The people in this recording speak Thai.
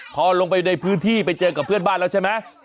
พอลงไปในพื้นที่ไปเจอกับเพื่อนบ้านแล้วใช่ไหม